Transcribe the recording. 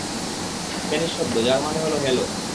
Spanish শব্দ যার মানে হ্যালো।